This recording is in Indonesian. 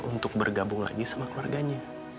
untuk bergabung lagi sama keluarganya